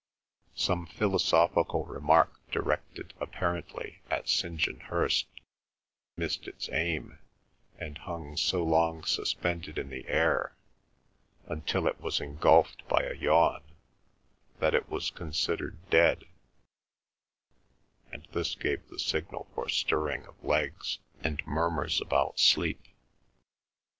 Some philosophical remark directed, apparently, at St. John Hirst missed its aim, and hung so long suspended in the air until it was engulfed by a yawn, that it was considered dead, and this gave the signal for stirring of legs and murmurs about sleep.